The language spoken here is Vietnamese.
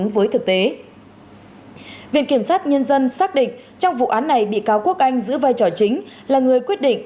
với thực tế viện kiểm sát nhân dân xác định trong vụ án này bị cáo quốc anh giữ vai trò chính là người quyết định